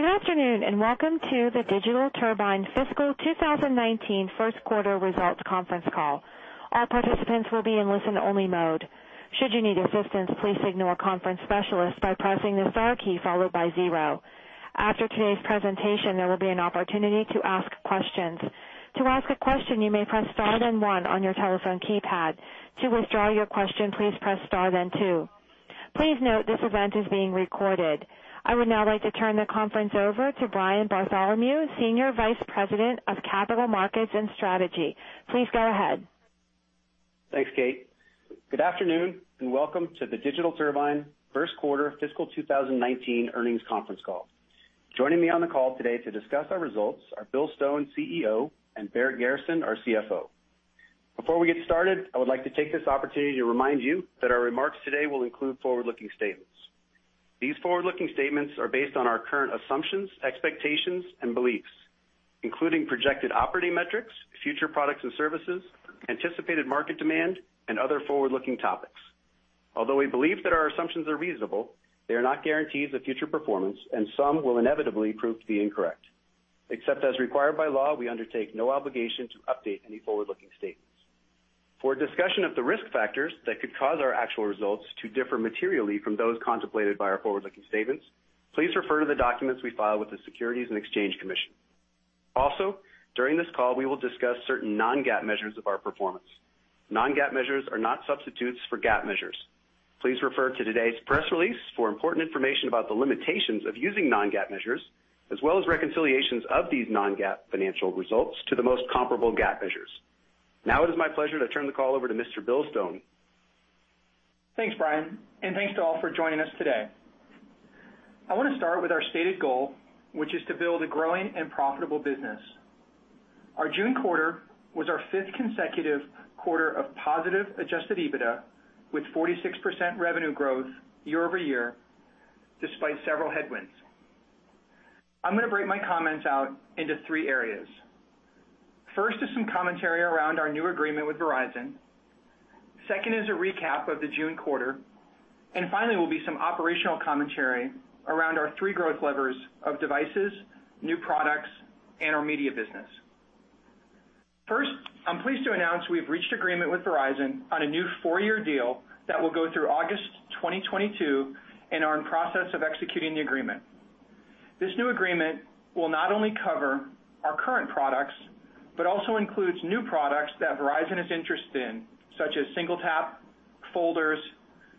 Good afternoon, and welcome to the Digital Turbine fiscal 2019 first quarter results conference call. All participants will be in listen-only mode. Should you need assistance, please signal a conference specialist by pressing the star key followed by zero. After today's presentation, there will be an opportunity to ask questions. To ask a question, you may press star, then one on your telephone keypad. To withdraw your question, please press star, then two. Please note this event is being recorded. I would now like to turn the conference over to Brian Bartholomew, Senior Vice President of Capital Markets and Strategy. Please go ahead. Thanks, Kate. Good afternoon, and welcome to the Digital Turbine first quarter fiscal 2019 earnings conference call. Joining me on the call today to discuss our results are Bill Stone, CEO, and Barrett Garrison, our CFO. Before we get started, I would like to take this opportunity to remind you that our remarks today will include forward-looking statements. These forward-looking statements are based on our current assumptions, expectations, and beliefs, including projected operating metrics, future products and services, anticipated market demand, and other forward-looking topics. Although we believe that our assumptions are reasonable, they are not guarantees of future performance, and some will inevitably prove to be incorrect. Except as required by law, we undertake no obligation to update any forward-looking statements. For a discussion of the risk factors that could cause our actual results to differ materially from those contemplated by our forward-looking statements, please refer to the documents we file with the Securities and Exchange Commission. During this call, we will discuss certain non-GAAP measures of our performance. Non-GAAP measures are not substitutes for GAAP measures. Please refer to today's press release for important information about the limitations of using non-GAAP measures, as well as reconciliations of these non-GAAP financial results to the most comparable GAAP measures. Now it is my pleasure to turn the call over to Mr. Bill Stone. Thanks, Brian, and thanks to all for joining us today. I want to start with our stated goal, which is to build a growing and profitable business. Our June quarter was our fifth consecutive quarter of positive adjusted EBITDA with 46% revenue growth year-over-year despite several headwinds. I'm going to break my comments out into three areas. First is some commentary around our new agreement with Verizon. Second is a recap of the June quarter. Finally will be some operational commentary around our three growth levers of devices, new products, and our media business. First, I'm pleased to announce we have reached agreement with Verizon on a new four-year deal that will go through August 2022 and are in process of executing the agreement. This new agreement will not only cover our current products, but also includes new products that Verizon is interested in, such as Single Tap, Folders,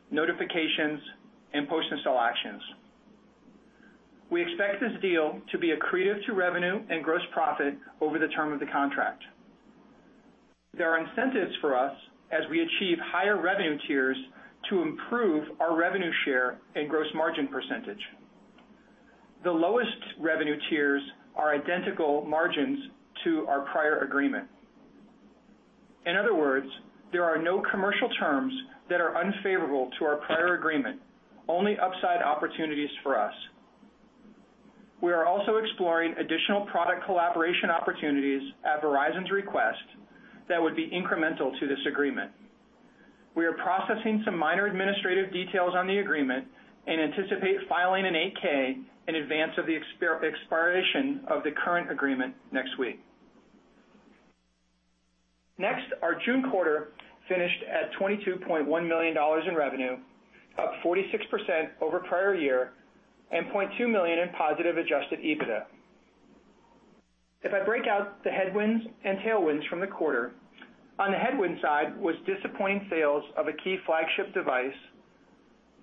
notifications, and post-install actions. We expect this deal to be accretive to revenue and gross profit over the term of the contract. There are incentives for us as we achieve higher revenue tiers to improve our revenue share and gross margin percentage. The lowest revenue tiers are identical margins to our prior agreement. In other words, there are no commercial terms that are unfavorable to our prior agreement, only upside opportunities for us. We are also exploring additional product collaboration opportunities at Verizon's request that would be incremental to this agreement. We are processing some minor administrative details on the agreement and anticipate filing an 8-K in advance of the expiration of the current agreement next week. Our June quarter finished at $22.1 million in revenue, up 46% over prior year, and $0.2 million in positive adjusted EBITDA. If I break out the headwinds and tailwinds from the quarter, on the headwind side was disappointing sales of a key flagship device.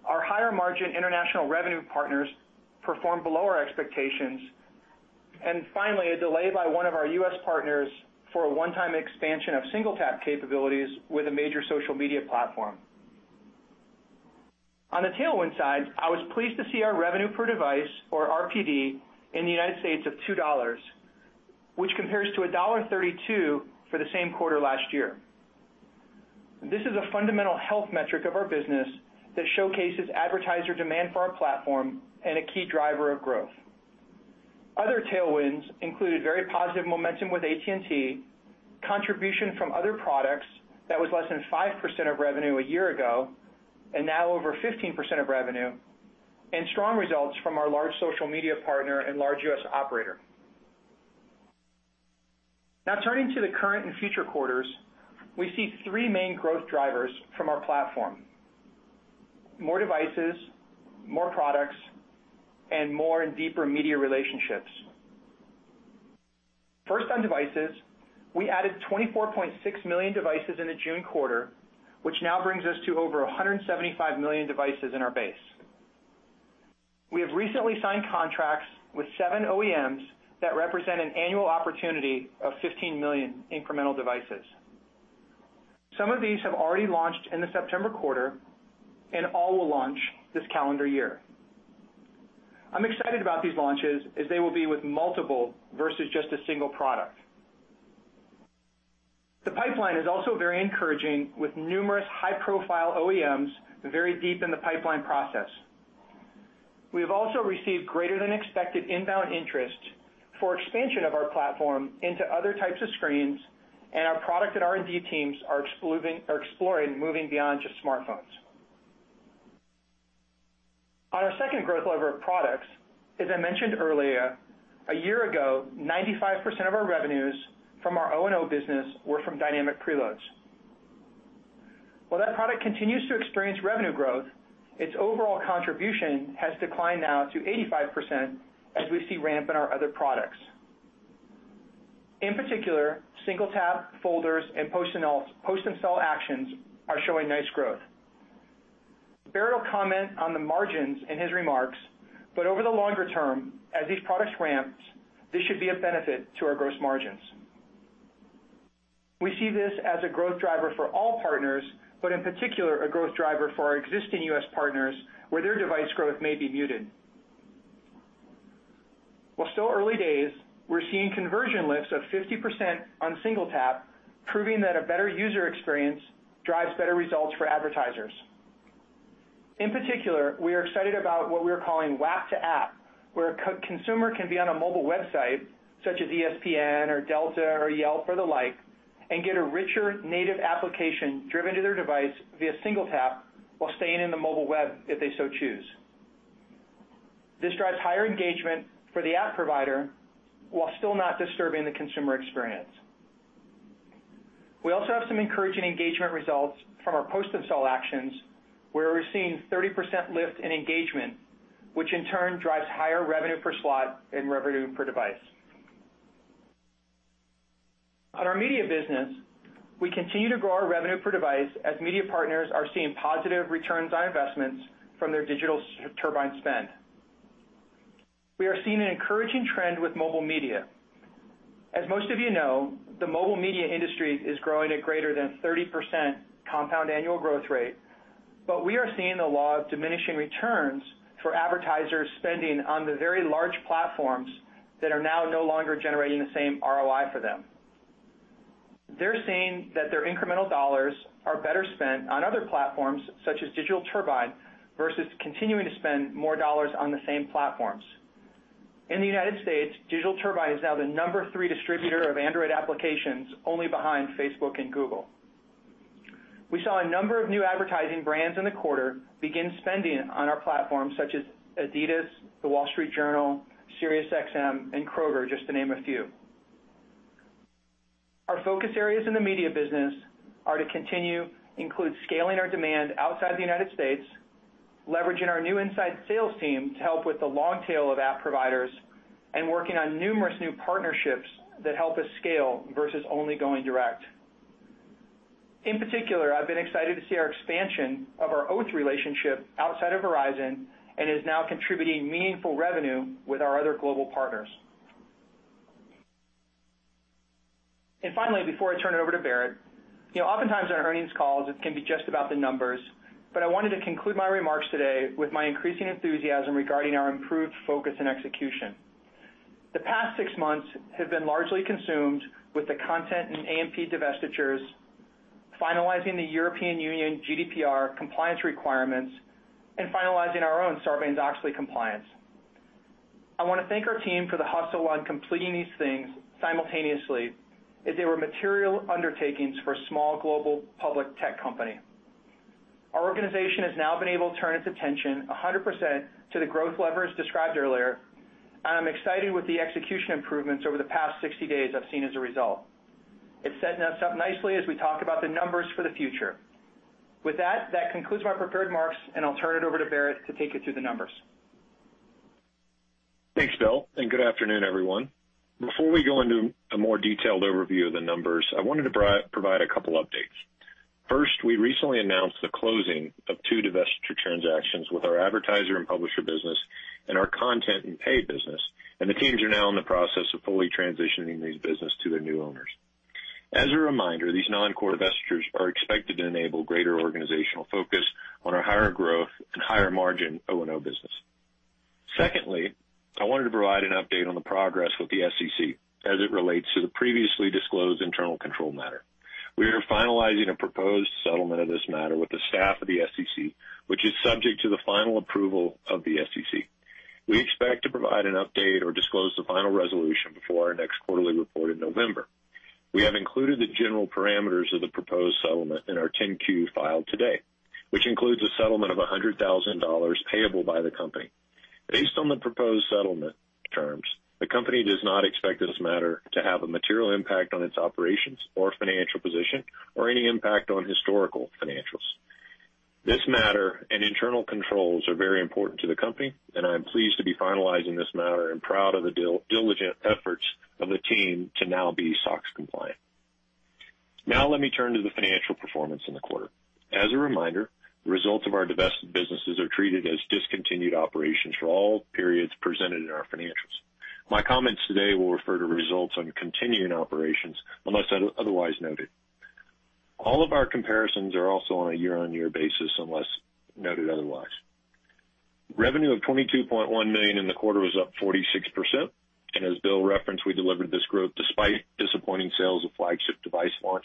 Our higher-margin international revenue partners performed below our expectations. Finally, a delay by one of our U.S. partners for a one-time expansion of Single Tap capabilities with a major social media platform. On the tailwind side, I was pleased to see our revenue per device or RPD in the U.S. of $2, which compares to $1.32 for the same quarter last year. This is a fundamental health metric of our business that showcases advertiser demand for our platform and a key driver of growth. Other tailwinds included very positive momentum with AT&T, contribution from other products that was less than 5% of revenue a year ago, and now over 15% of revenue, strong results from our large social media partner and large U.S. operator. Turning to the current and future quarters, we see three main growth drivers from our platform: more devices, more products, and more and deeper media relationships. On devices, we added 24.6 million devices in the June quarter, which now brings us to over 175 million devices in our base. We have recently signed contracts with seven OEMs that represent an annual opportunity of 15 million incremental devices. Some of these have already launched in the September quarter, and all will launch this calendar year. I'm excited about these launches as they will be with multiple versus just a single product. The pipeline is also very encouraging with numerous high-profile OEMs very deep in the pipeline process. We have also received greater-than-expected inbound interest for expansion of our platform into other types of screens, our product and R&D teams are exploring moving beyond just smartphones. On our second growth lever of products, as I mentioned earlier, a year ago, 95% of our revenues from our O&O business were from Dynamic Preloads. While that product continues to experience revenue growth, its overall contribution has declined now to 85% as we see ramp in our other products. In particular, Single Tap, folders, and post-install actions are showing nice growth. Barrett will comment on the margins in his remarks, over the longer term, as these products ramp, this should be a benefit to our gross margins. We see this as a growth driver for all partners, but in particular, a growth driver for our existing U.S. partners where their device growth may be muted. While still early days, we're seeing conversion lifts of 50% on SingleTap, proving that a better user experience drives better results for advertisers. In particular, we are excited about what we are calling WAP-to-app, where a consumer can be on a mobile website, such as ESPN or Delta or Yelp or the like, and get a richer native application driven to their device via SingleTap while staying in the mobile web if they so choose. This drives higher engagement for the app provider while still not disturbing the consumer experience. We also have some encouraging engagement results from our post-install actions, where we're seeing 30% lift in engagement, which in turn drives higher revenue per slot and revenue per device. On our media business, we continue to grow our revenue per device as media partners are seeing positive returns on investments from their Digital Turbine spend. We are seeing an encouraging trend with mobile media. As most of you know, the mobile media industry is growing at greater than 30% compound annual growth rate, but we are seeing the law of diminishing returns for advertisers spending on the very large platforms that are now no longer generating the same ROI for them. They're seeing that their incremental dollars are better spent on other platforms such as Digital Turbine versus continuing to spend more dollars on the same platforms. In the United States, Digital Turbine is now the number three distributor of Android applications, only behind Facebook and Google. We saw a number of new advertising brands in the quarter begin spending on our platform, such as Adidas, The Wall Street Journal, Sirius XM and Kroger, just to name a few. Our focus areas in the media business are to continue include scaling our demand outside the United States, leveraging our new inside sales team to help with the long tail of app providers, and working on numerous new partnerships that help us scale versus only going direct. In particular, I've been excited to see our expansion of our Oath relationship outside of Verizon and is now contributing meaningful revenue with our other global partners. Finally, before I turn it over to Barrett, oftentimes on earnings calls, it can be just about the numbers, but I wanted to conclude my remarks today with my increasing enthusiasm regarding our improved focus and execution. The past six months have been largely consumed with the Content and AMP divestitures, finalizing the European Union GDPR compliance requirements, and finalizing our own Sarbanes-Oxley compliance. I want to thank our team for the hustle on completing these things simultaneously, as they were material undertakings for a small global public tech company. Our organization has now been able to turn its attention 100% to the growth levers described earlier. I'm excited with the execution improvements over the past 60 days I've seen as a result. It's setting us up nicely as we talk about the numbers for the future. With that concludes my prepared remarks. I'll turn it over to Barrett to take you through the numbers. Thanks, Bill, and good afternoon, everyone. Before we go into a more detailed overview of the numbers, I wanted to provide a couple updates. First, we recently announced the closing of two divestiture transactions with our advertiser and publisher business and our content and pay business, and the teams are now in the process of fully transitioning these business to their new owners. As a reminder, these non-core divestitures are expected to enable greater organizational focus on our higher growth and higher margin O&O business. Secondly, I wanted to provide an update on the progress with the SEC as it relates to the previously disclosed internal control matter. We are finalizing a proposed settlement of this matter with the staff of the SEC, which is subject to the final approval of the SEC. We expect to provide an update or disclose the final resolution before our next quarterly report in November. We have included the general parameters of the proposed settlement in our 10-Q filed today, which includes a settlement of $100,000 payable by the company. Based on the proposed settlement terms, the company does not expect this matter to have a material impact on its operations or financial position or any impact on historical financials. This matter and internal controls are very important to the company, and I am pleased to be finalizing this matter and proud of the diligent efforts of the team to now be SOX compliant. Now let me turn to the financial performance in the quarter. As a reminder, the results of our divested businesses are treated as discontinued operations for all periods presented in our financials. My comments today will refer to results on continuing operations unless otherwise noted. All of our comparisons are also on a year-over-year basis, unless noted otherwise. Revenue of $22.1 million in the quarter was up 46%, and as Bill referenced, we delivered this growth despite disappointing sales of flagship device launch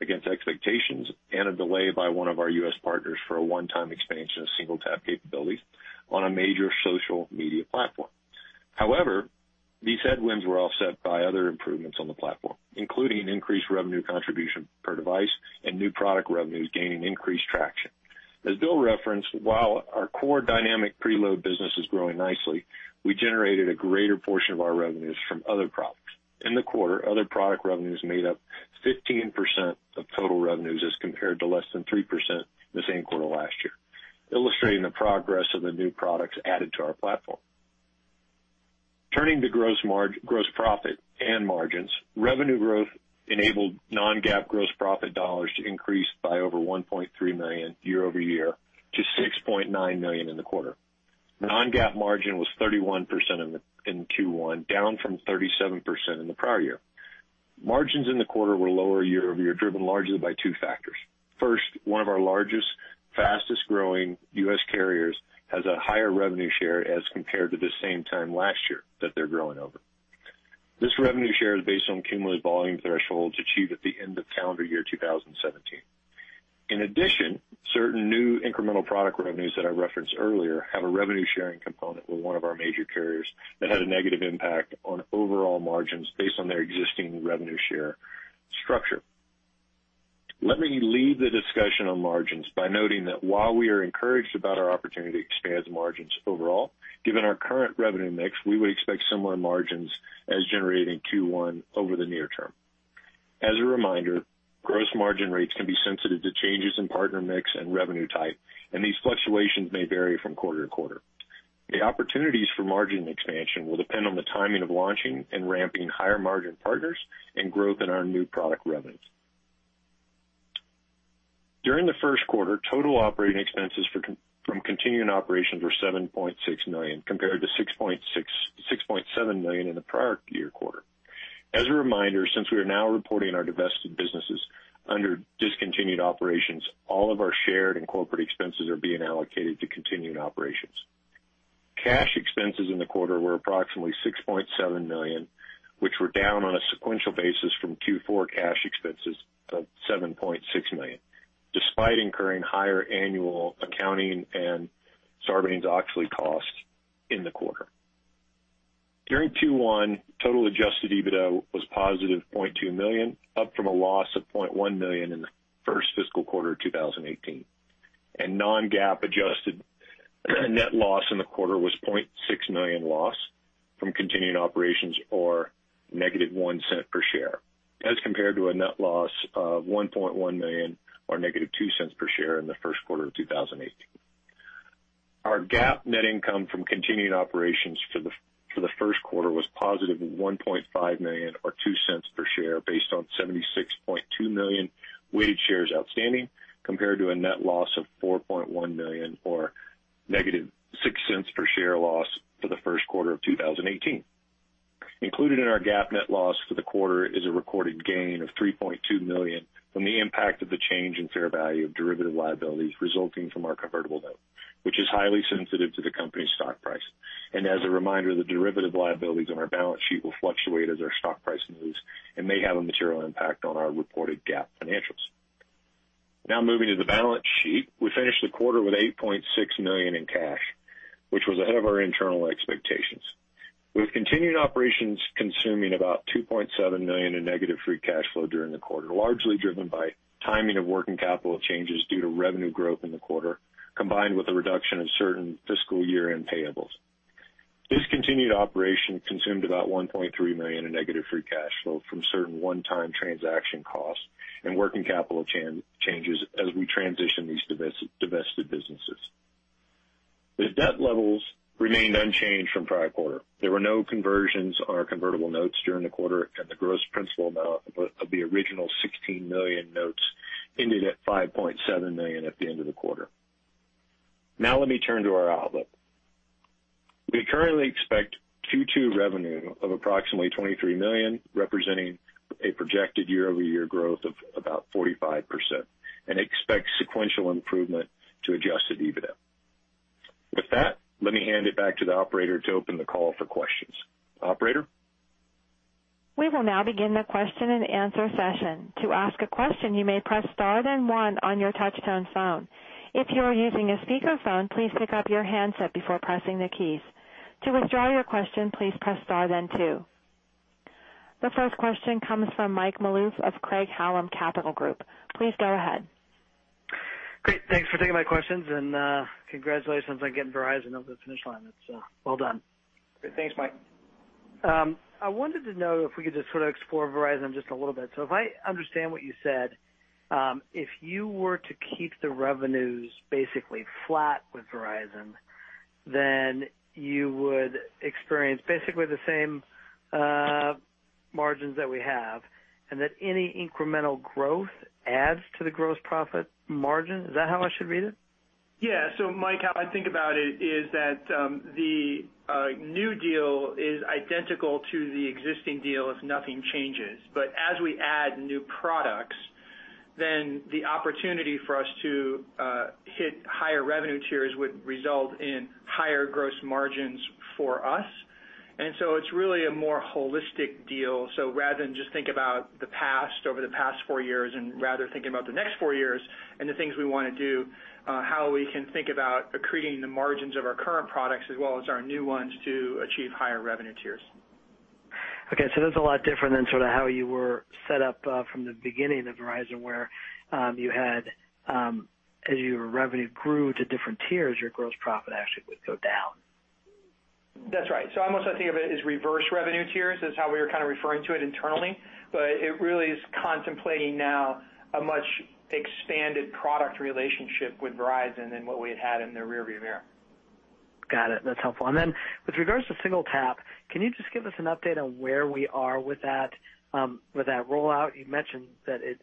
against expectations and a delay by one of our U.S. partners for a one-time expansion of SingleTap capabilities on a major social media platform. However, these headwinds were offset by other improvements on the platform, including an increased revenue contribution per device and new product revenues gaining increased traction. As Bill referenced, while our core Dynamic Preloads business is growing nicely, we generated a greater portion of our revenues from other products. In the quarter, other product revenues made up 15% of total revenues as compared to less than 3% the same quarter last year, illustrating the progress of the new products added to our platform. Turning to gross profit and margins, revenue growth enabled non-GAAP gross profit dollars to increase by over $1.3 million year-over-year to $6.9 million in the quarter. Non-GAAP margin was 31% in Q1, down from 37% in the prior year. Margins in the quarter were lower year-over-year, driven largely by two factors. First, one of our largest, fastest-growing U.S. carriers has a higher revenue share as compared to the same time last year that they're growing over. This revenue share is based on cumulative volume thresholds achieved at the end of calendar year 2017. In addition, certain new incremental product revenues that I referenced earlier have a revenue-sharing component with one of our major carriers that had a negative impact on overall margins based on their existing revenue share structure. Let me leave the discussion on margins by noting that while we are encouraged about our opportunity to expand margins overall, given our current revenue mix, we would expect similar margins as generated in Q1 over the near term. As a reminder, gross margin rates can be sensitive to changes in partner mix and revenue type, these fluctuations may vary from quarter to quarter. The opportunities for margin expansion will depend on the timing of launching and ramping higher-margin partners and growth in our new product revenues. During the first quarter, total operating expenses from continuing operations were $7.6 million, compared to $6.7 million in the prior year quarter. As a reminder, since we are now reporting our divested businesses under discontinued operations, all of our shared and corporate expenses are being allocated to continuing operations. Cash expenses in the quarter were approximately $6.7 million, which were down on a sequential basis from Q4 cash expenses of $7.6 million, despite incurring higher annual accounting and Sarbanes-Oxley costs in the quarter. During Q1, total adjusted EBITDA was positive $0.2 million, up from a loss of $0.1 million in the first fiscal quarter of 2018. Non-GAAP adjusted net loss in the quarter was $0.6 million loss from continuing operations or negative $0.01 per share, as compared to a net loss of $1.1 million or negative $0.02 per share in the first quarter of 2018. Our GAAP net income from continuing operations for the first quarter was positive $1.5 million or $0.02 per share based on 76.2 million weighted shares outstanding, compared to a net loss of $4.1 million or negative $0.06 per share loss for the first quarter of 2018. Included in our GAAP net loss for the quarter is a recorded gain of $3.2 million from the impact of the change in fair value of derivative liabilities resulting from our convertible note, which is highly sensitive to the company's stock price. As a reminder, the derivative liabilities on our balance sheet will fluctuate as our stock price moves and may have a material impact on our reported GAAP financials. Moving to the balance sheet. We finished the quarter with $8.6 million in cash, which was ahead of our internal expectations. With continuing operations consuming about $2.7 million in negative free cash flow during the quarter, largely driven by timing of working capital changes due to revenue growth in the quarter, combined with a reduction of certain fiscal year-end payables. Discontinued operation consumed about $1.3 million in negative free cash flow from certain one-time transaction costs and working capital changes as we transition these divested businesses. The debt levels remained unchanged from prior quarter. There were no conversions on our convertible notes during the quarter, the gross principal amount of the original $16 million notes ended at $5.7 million at the end of the quarter. Let me turn to our outlook. We currently expect Q2 revenue of approximately $23 million, representing a projected year-over-year growth of about 45%, and expect sequential improvement to adjusted EBITDA. With that, let me hand it back to the operator to open the call for questions. Operator? We will now begin the question-and-answer session. To ask a question, you may press star then one on your touch-tone phone. If you are using a speakerphone, please pick up your handset before pressing the keys. To withdraw your question, please press star then two. The first question comes from Mike Maloof of Craig-Hallum Capital Group. Please go ahead. Great. Thanks for taking my questions. Congratulations on getting Verizon over the finish line. It's well done. Great. Thanks, Mike. I wanted to know if we could just sort of explore Verizon just a little bit. If I understand what you said, if you were to keep the revenues basically flat with Verizon, you would experience basically the same margins that we have, and that any incremental growth adds to the gross profit margin. Is that how I should read it? Yeah. Mike, how I think about it is that the new deal is identical to the existing deal if nothing changes. As we add new products, the opportunity for us to hit higher revenue tiers would result in higher gross margins for us. It's really a more holistic deal. Rather than just think about the past over the past 4 years and rather thinking about the next 4 years and the things we want to do, how we can think about accreting the margins of our current products as well as our new ones to achieve higher revenue tiers. Okay, that's a lot different than how you were set up from the beginning of Verizon, where as your revenue grew to different tiers, your gross profit actually would go down. That's right. I almost like to think of it as reverse revenue tiers, is how we were kind of referring to it internally. It really is contemplating now a much-expanded product relationship with Verizon than what we had had in the rearview mirror. Got it. That's helpful. With regards to SingleTap, can you just give us an update on where we are with that rollout? You mentioned that it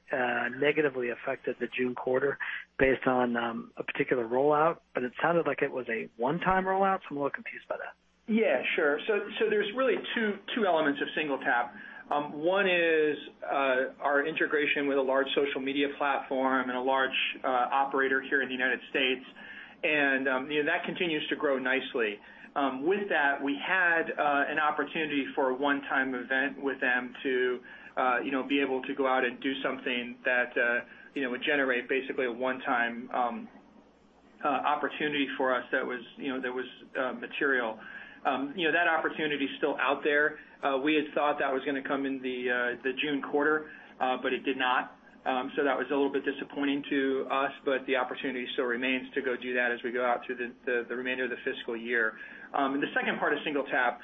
negatively affected the June quarter based on a particular rollout, but it sounded like it was a one-time rollout, so I'm a little confused by that. Yeah, sure. There's really two elements of SingleTap. One is our integration with a large social media platform and a large operator here in the U.S., and that continues to grow nicely. With that, we had an opportunity for a one-time event with them to be able to go out and do something that would generate basically a one-time opportunity for us that was material. That opportunity is still out there. We had thought that was going to come in the June quarter, but it did not. That was a little bit disappointing to us, but the opportunity still remains to go do that as we go out through the remainder of the fiscal year. The second part of SingleTap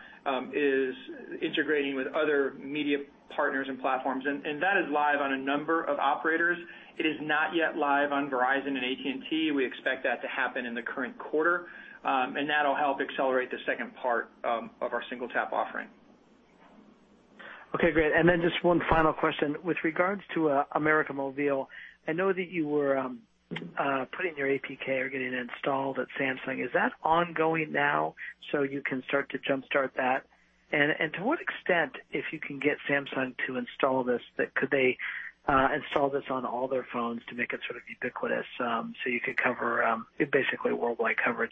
is integrating with other media partners and platforms, and that is live on a number of operators. It is not yet live on Verizon and AT&T. We expect that to happen in the current quarter, and that'll help accelerate the second part of our SingleTap offering. Okay, great. Just one final question. With regards to América Móvil, I know that you were putting your APK or getting it installed at Samsung. Is that ongoing now, so you can start to jumpstart that? To what extent, if you can get Samsung to install this, could they install this on all their phones to make it sort of ubiquitous, so you could cover basically worldwide coverage?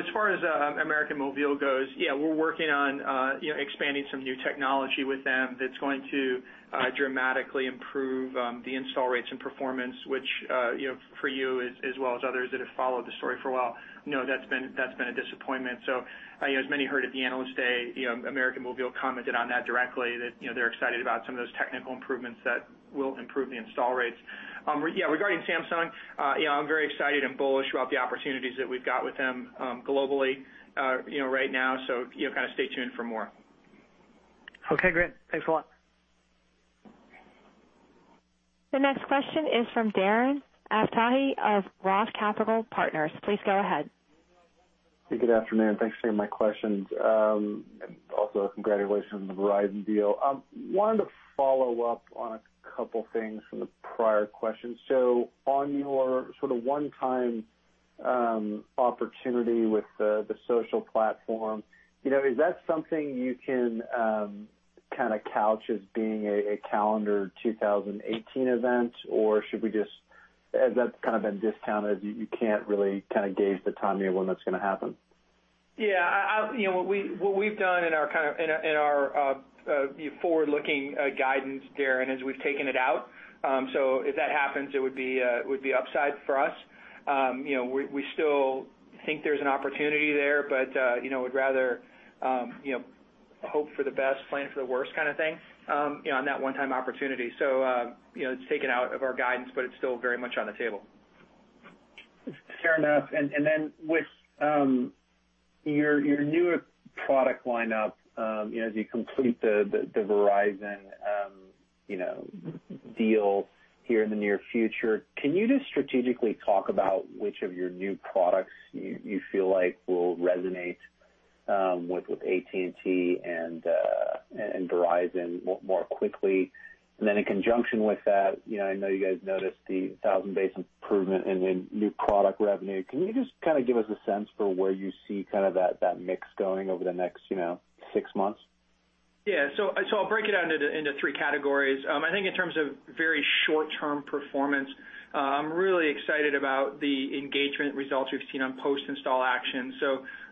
As far as América Móvil goes, we're working on expanding some new technology with them that's going to dramatically improve the install rates and performance, which, for you as well as others that have followed the story for a while, know that's been a disappointment. As many heard at the Analyst Day, América Móvil commented on that directly, that they're excited about some of those technical improvements that will improve the install rates. Regarding Samsung, I'm very excited and bullish about the opportunities that we've got with them globally right now. Stay tuned for more. Okay, great. Thanks a lot. The next question is from Darren Aftahi of Roth Capital Partners. Please go ahead. Good afternoon. Thanks for taking my questions. Also, congratulations on the Verizon deal. Wanted to follow up on a couple things from the prior questions. On your sort of one-time opportunity with the social platform, is that something you can kind of couch as being a calendar 2018 event, or has that kind of been discounted, you can't really gauge the timing of when that's going to happen? What we've done in our forward-looking guidance, Darren, is we've taken it out. If that happens, it would be upside for us. We still think there's an opportunity there, would rather hope for the best, plan for the worst kind of thing on that one-time opportunity. It's taken out of our guidance, but it's still very much on the table. Fair enough. With your newer product lineup, as you complete the Verizon deal here in the near future, can you just strategically talk about which of your new products you feel like will resonate with AT&T and Verizon more quickly? In conjunction with that, I know you guys noticed the 1,000 base improvement in new product revenue. Can you just kind of give us a sense for where you see that mix going over the next six months? I'll break it out into three categories. I think in terms of very short-term performance, I'm really excited about the engagement results we've seen on post-install actions.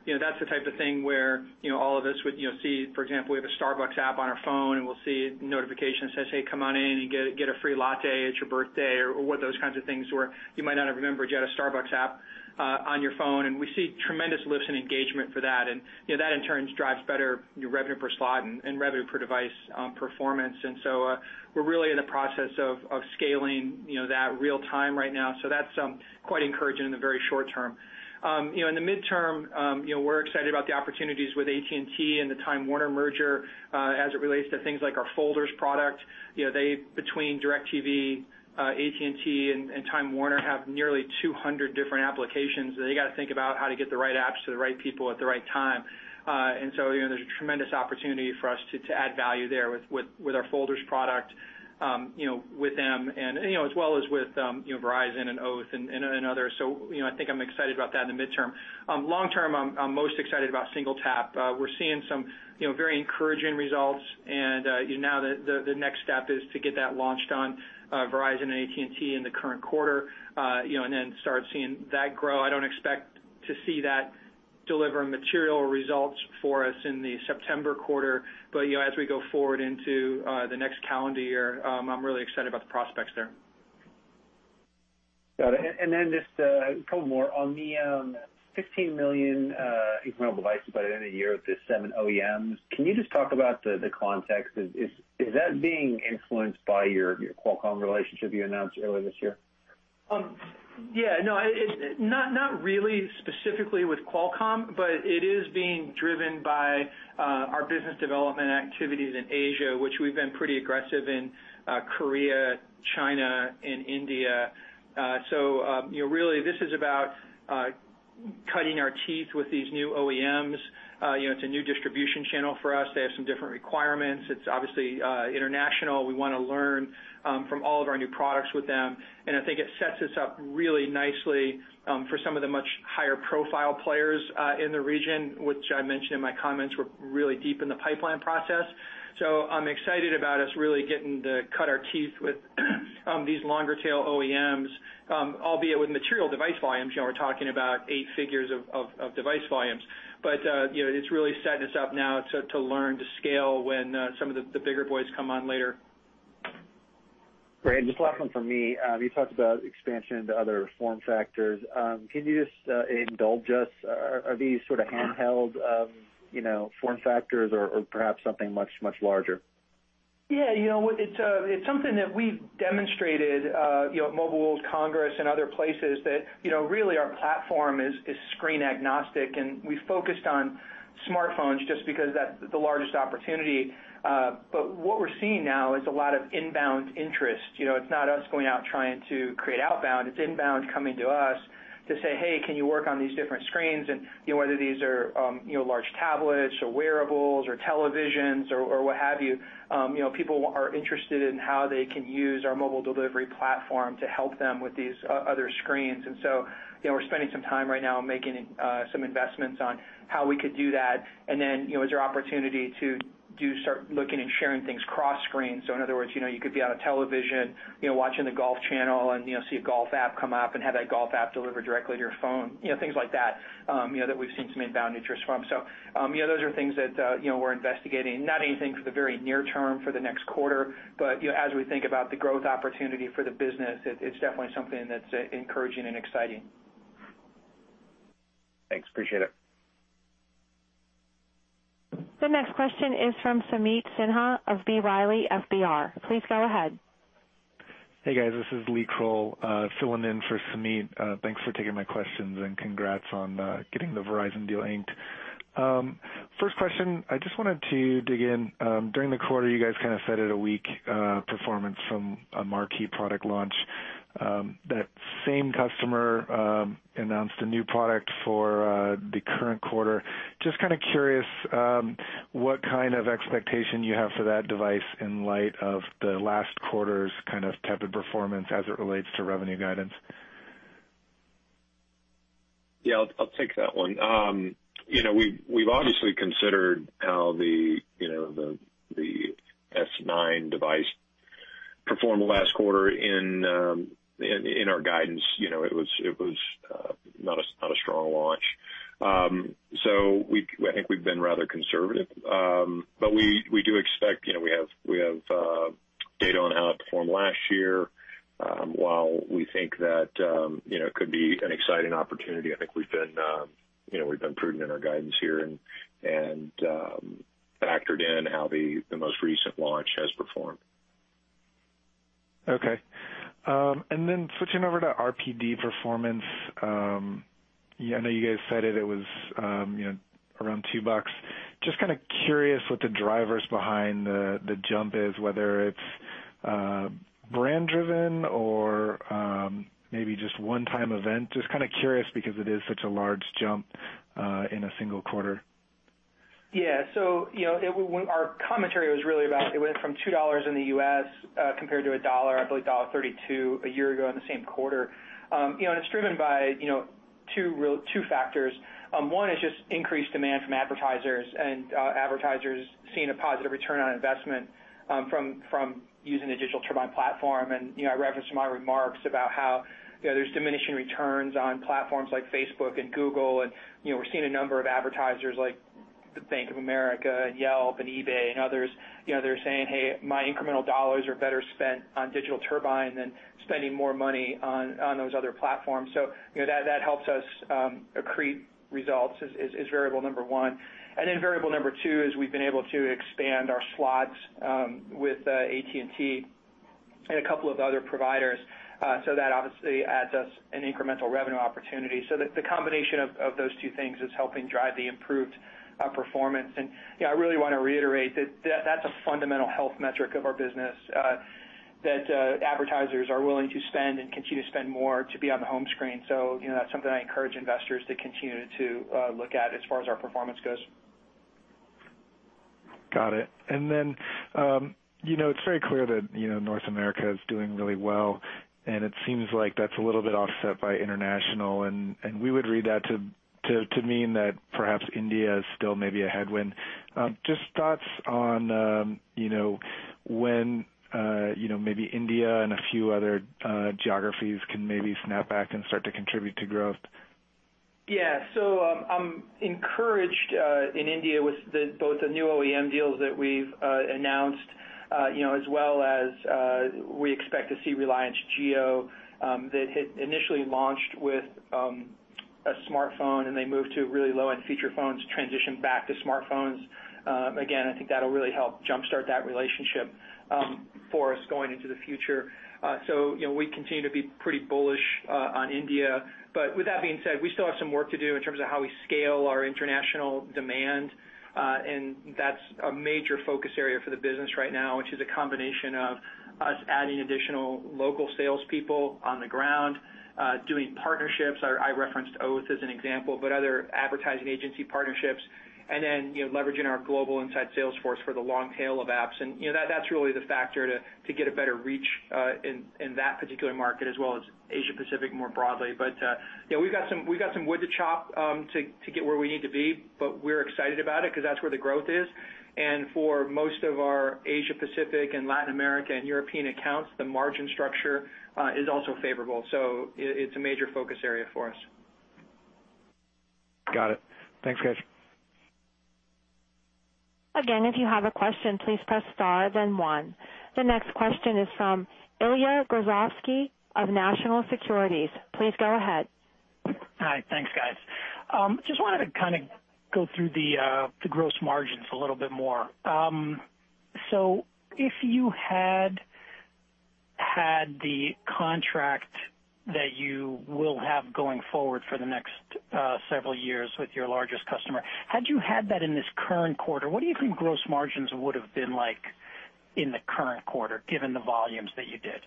That's the type of thing where all of us would see, for example, we have a Starbucks app on our phone, and we'll see a notification that says, "Hey, come on in and get a free latte. It's your birthday." Or what those kinds of things were. You might not have remembered you had a Starbucks app on your phone, and we see tremendous lifts in engagement for that. That in turn drives better revenue per slot and revenue per device performance. We're really in the process of scaling that real time right now. That's quite encouraging in the very short term. In the midterm, we're excited about the opportunities with AT&T and the Time Warner merger as it relates to things like our folders product. Between DIRECTV, AT&T, and Time Warner have nearly 200 different applications. They got to think about how to get the right apps to the right people at the right time. There's a tremendous opportunity for us to add value there with our folders product with them and as well as with Verizon and Oath and others. I think I'm excited about that in the midterm. Long term, I'm most excited about SingleTap. We're seeing some very encouraging results, now the next step is to get that launched on Verizon and AT&T in the current quarter, start seeing that grow. I don't expect to see that deliver material results for us in the September quarter. As we go forward into the next calendar year, I'm really excited about the prospects there. Got it. Just a couple more. On the 15 million incremental devices by the end of the year with the 7 OEMs, can you just talk about the context? Is that being influenced by your Qualcomm relationship you announced earlier this year? It's not really specifically with Qualcomm, but it is being driven by our business development activities in Asia, which we've been pretty aggressive in Korea, China, and India. Really, this is about cutting our teeth with these new OEMs. It's a new distribution channel for us. They have some different requirements. It's obviously international. We want to learn from all of our new products with them, and I think it sets us up really nicely for some of the much higher-profile players in the region, which I mentioned in my comments, we're really deep in the pipeline process. I'm excited about us really getting to cut our teeth with these longer tail OEMs, albeit with material device volumes. We're talking about 8 figures of device volumes. It's really setting us up now to learn to scale when some of the bigger boys come on later. Great. Just last one from me. You talked about expansion into other form factors. Can you just indulge us? Are these sort of handheld form factors or perhaps something much, much larger? Yeah. It's something that we've demonstrated at Mobile World Congress and other places that really our platform is screen agnostic. We focused on smartphones just because that's the largest opportunity. What we're seeing now is a lot of inbound interest. It's not us going out trying to create outbound. It's inbound coming to us to say, "Hey, can you work on these different screens?" Whether these are large tablets or wearables or televisions or what have you, people are interested in how they can use our mobile delivery platform to help them with these other screens. We're spending some time right now making some investments on how we could do that. Then as your opportunity to do start looking and sharing things cross-screen. In other words, you could be on a television watching the Golf Channel and see a golf app come up and have that golf app delivered directly to your phone, things like that that we've seen some inbound interest from. Those are things that we're investigating, not anything for the very near term for the next quarter. As we think about the growth opportunity for the business, it's definitely something that's encouraging and exciting. Thanks. Appreciate it. The next question is from Sameet Sinha of B. Riley FBR. Please go ahead. Hey, guys. This is Lee Krowl filling in for Sameet. Thanks for taking my questions and congrats on getting the Verizon deal inked. First question, I just wanted to dig in. During the quarter, you guys kind of cited a weak performance from a marquee product launch. That same customer announced a new product for the current quarter. Just kind of curious what kind of expectation you have for that device in light of the last quarter's kind of tepid performance as it relates to revenue guidance. Yeah, I'll take that one. We've obviously considered how the S9 device performed last quarter in our guidance. It was not a strong launch. I think we've been rather conservative. We do expect, we have data on how it performed last year. While we think that it could be an exciting opportunity, I think we've been prudent in our guidance here and factored in how the most recent launch has performed. Okay. Switching over to RPD performance. I know you guys said that it was around $2. Just kind of curious what the drivers behind the jump is, whether it's brand driven or maybe just one-time event. Just kind of curious because it is such a large jump in a single quarter. Yeah. Our commentary was really about it went from $2 in the U.S. compared to $1, I believe $1.32 a year ago in the same quarter. It's driven by 2 factors. One is just increased demand from advertisers and advertisers seeing a positive ROI from using the Digital Turbine platform. I referenced in my remarks about how there's diminishing returns on platforms like Facebook and Google, and we're seeing a number of advertisers like the Bank of America and Yelp and eBay and others. They're saying, "Hey, my incremental dollars are better spent on Digital Turbine than spending more money on those other platforms." That helps us accrete results, is variable number 1. Variable number 2 is we've been able to expand our slots with AT&T and a couple of other providers. That obviously adds us an incremental revenue opportunity. The combination of those two things is helping drive the improved performance. I really want to reiterate that that's a fundamental health metric of our business, that advertisers are willing to spend and continue to spend more to be on the home screen. That's something I encourage investors to continue to look at as far as our performance goes. Got it. It's very clear that North America is doing really well, and it seems like that's a little bit offset by international, and we would read that to mean that perhaps India is still maybe a headwind. Thoughts on when maybe India and a few other geographies can maybe snap back and start to contribute to growth? Yeah. I'm encouraged in India with both the new OEM deals that we've announced, as well as we expect to see Reliance Jio, that had initially launched with a smartphone and they moved to really low-end feature phones, transition back to smartphones. Again, I think that'll really help jumpstart that relationship for us going into the future. We continue to be pretty bullish on India. With that being said, we still have some work to do in terms of how we scale our international demand. That's a major focus area for the business right now, which is a combination of us adding additional local salespeople on the ground, doing partnerships. I referenced Oath as an example, but other advertising agency partnerships, and then leveraging our global inside sales force for the long tail of apps. That's really the factor to get a better reach in that particular market as well as Asia-Pacific more broadly. We've got some wood to chop to get where we need to be, but we're excited about it because that's where the growth is. For most of our Asia-Pacific and Latin America and European accounts, the margin structure is also favorable. It's a major focus area for us. Got it. Thanks, guys. If you have a question, please press star, then one. The next question is from Ilya Grozovsky of National Securities. Please go ahead. Hi. Thanks, guys. Just wanted to kind of go through the gross margins a little bit more. If you had the contract that you will have going forward for the next several years with your largest customer, had you had that in this current quarter, what do you think gross margins would have been like in the current quarter, given the volumes that you did?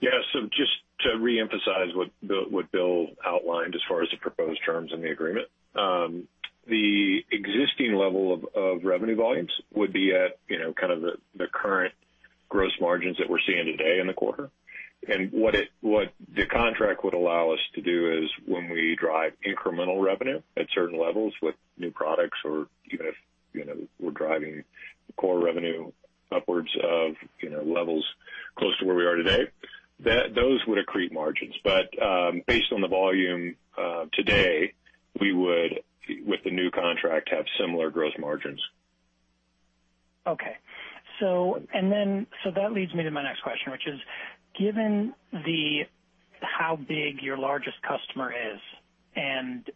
Yeah. Just to re-emphasize what Bill outlined as far as the proposed terms in the agreement. The existing level of revenue volumes would be at kind of the current gross margins that we're seeing today in the quarter. What the contract would allow us to do is when we drive incremental revenue at certain levels with new products or even if we're driving core revenue upwards of levels close to where we are today, those would accrete margins. Based on the volume today, we would, with the new contract, have similar gross margins. That leads me to my next question, which is, given how big your largest customer is and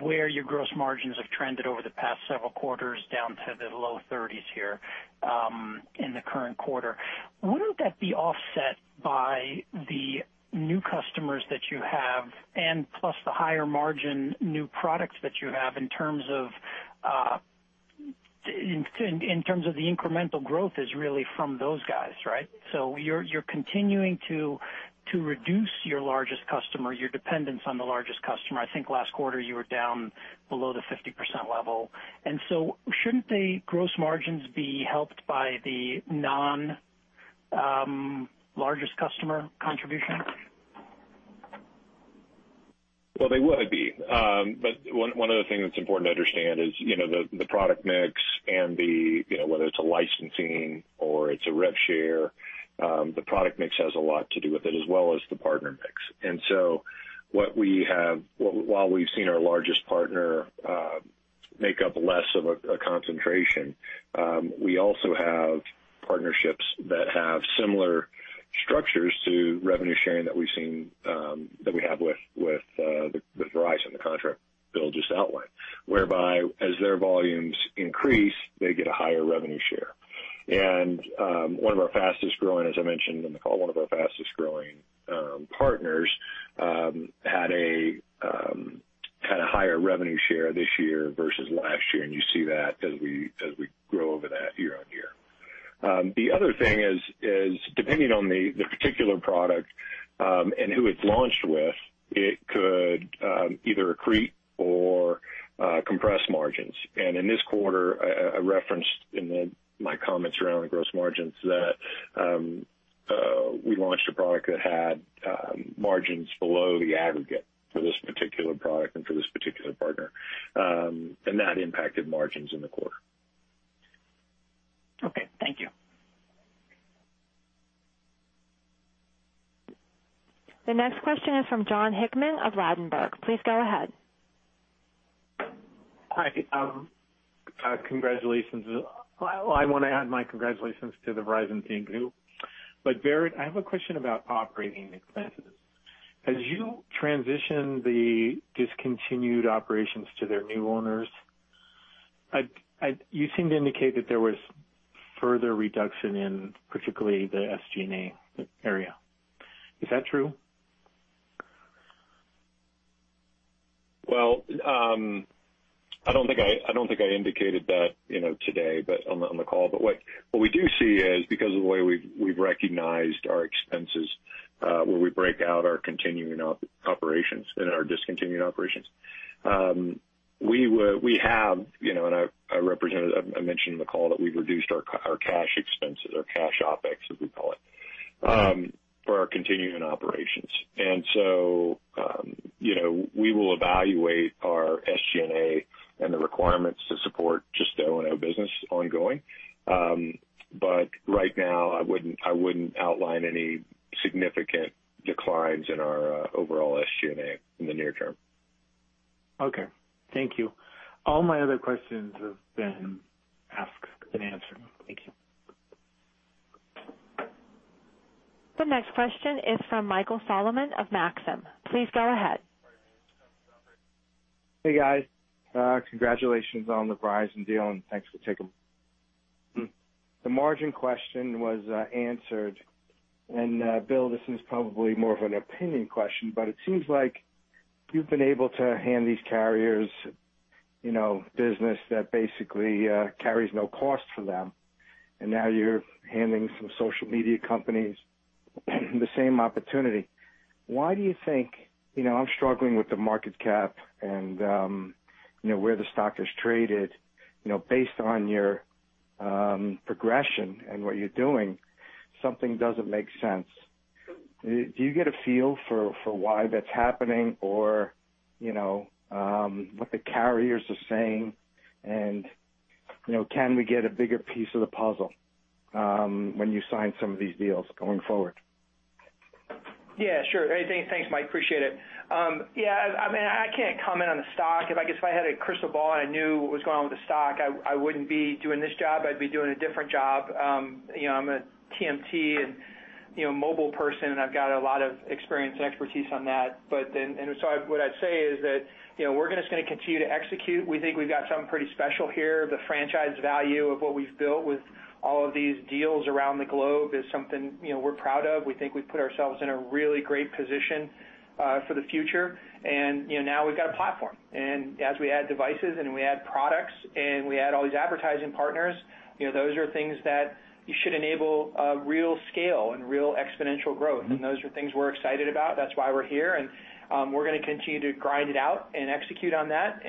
where your gross margins have trended over the past several quarters down to the low 30s here in the current quarter, wouldn't that be offset by the new customers that you have and plus the higher margin new products that you have in terms of the incremental growth is really from those guys, right? You're continuing to reduce your largest customer, your dependence on the largest customer. I think last quarter you were down below the 50% level. Shouldn't the gross margins be helped by the non-largest customer contribution? They would be. One other thing that's important to understand is the product mix and whether it's a licensing or it's a rev share, the product mix has a lot to do with it as well as the partner mix. While we've seen our largest partner make up less of a concentration, we also have partnerships that have similar structures to revenue sharing that we have with Verizon, the contract Bill just outlined, whereby as their volumes increase, they get a higher revenue share. One of our fastest-growing, as I mentioned in the call, one of our fastest-growing partners had a kind of higher revenue share this year versus last year, and you see that as we grow over that year-on-year. The other thing is, depending on the particular product and who it's launched with, it could either accrete or compress margins. In this quarter, I referenced in my comments around the gross margins that we launched a product that had margins below the aggregate for this particular product and for this particular partner. That impacted margins in the quarter. Thank you. The next question is from Jon Hickman of Ladenburg. Please go ahead. Hi. Congratulations. I want to add my congratulations to the Verizon team too. Barrett, I have a question about operating expenses. As you transition the discontinued operations to their new owners, you seem to indicate that there was further reduction in particularly the SG&A area. Is that true? Well, I don't think I indicated that today on the call. What we do see is because of the way we've recognized our expenses, where we break out our continuing operations and our discontinued operations. We have, and I mentioned in the call that we've reduced our cash expenses, our cash OPEX, as we call it, for our continuing operations. We will evaluate our SG&A and the requirements to support just the O&O business ongoing. Right now, I wouldn't outline any significant declines in our overall SG&A in the near term. Okay. Thank you. All my other questions have been asked and answered. Thank you. The next question is from Michael Solomon of Maxim Group. Please go ahead. Hey, guys. Congratulations on the Verizon deal, and thanks for taking. The margin question was answered. Bill, this is probably more of an opinion question, it seems like you've been able to hand these carriers business that basically carries no cost for them, and now you're handing some social media companies the same opportunity. I'm struggling with the market cap and where the stock is traded. Based on your progression and what you're doing, something doesn't make sense. Do you get a feel for why that's happening, or what the carriers are saying? Can we get a bigger piece of the puzzle when you sign some of these deals going forward? Sure. Thanks, Mike. Appreciate it. I can't comment on the stock. I guess if I had a crystal ball and I knew what was going on with the stock, I wouldn't be doing this job. I'd be doing a different job. I'm a TMT and mobile person, and I've got a lot of experience and expertise on that. So what I'd say is that we're just going to continue to execute. We think we've got something pretty special here. The franchise value of what we've built with all of these deals around the globe is something we're proud of. We think we've put ourselves in a really great position for the future. Now we've got a platform. As we add devices and we add products and we add all these advertising partners, those are things that should enable a real scale and real exponential growth. Those are things we're excited about. That's why we're here, and we're going to continue to grind it out and execute on that.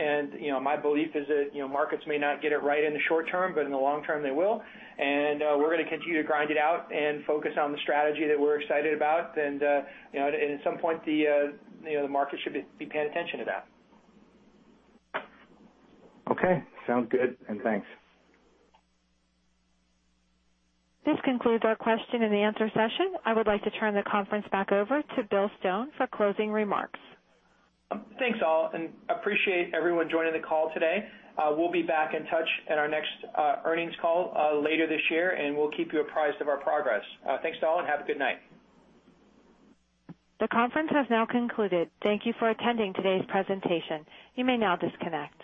My belief is that markets may not get it right in the short term, but in the long term, they will. We're going to continue to grind it out and focus on the strategy that we're excited about. At some point, the market should be paying attention to that. Okay. Sounds good, thanks. This concludes our question and answer session. I would like to turn the conference back over to Bill Stone for closing remarks. Thanks, all. Appreciate everyone joining the call today. We'll be back in touch at our next earnings call later this year. We'll keep you apprised of our progress. Thanks, all. Have a good night. The conference has now concluded. Thank you for attending today's presentation. You may now disconnect.